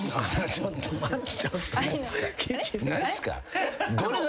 ちょっと待って。